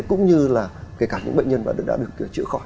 cũng như là kể cả những bệnh nhân đã được chữa khỏi